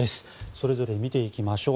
それぞれ見ていきましょう。